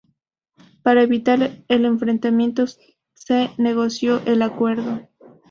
Para evitar el enfrentamiento se negoció el acuerdo.